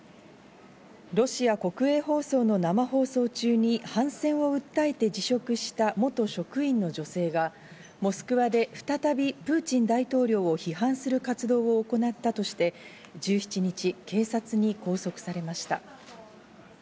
ロシア国営放送の生放送中に反戦を訴えて辞職した元職員の女性がモスクワで再びプーチン大統領を批判する活動を行ったとして、１７日、警察に拘束されました。